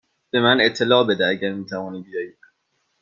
به من اطلاع بده اگر می توانی بیایی.